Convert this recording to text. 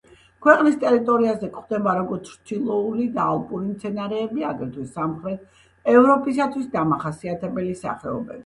ქვეყნის ტერიტორიაზე გვხვდება, როგორც ჩრდილოური და ალპური მცენარეები, აგრეთვე სამხრეთ ევროპისთვის დამახასიათებელი სახეობებიც.